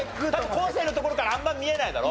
昴生の所からあんま見えないだろ？